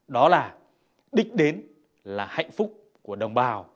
đó là đích đến là hạnh phúc của đồng bào